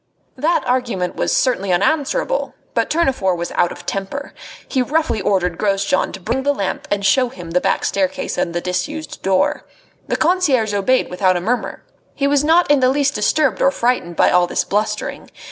That argument was certainly unanswerable. But Tournefort was out of temper. He roughly ordered Grosjean to bring the lamp and show him the back staircase and the disused door. The concierge obeyed without a murmur. He was not in the least disturbed or frightened by all this blustering.